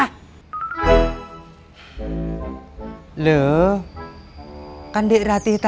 mbak jamunya kenapa ya